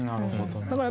なるほど。